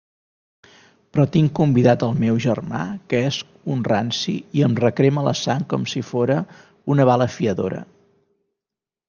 Però tinc convidat el meu germà que és un ranci i em recrema la sang com si fóra una balafiadora.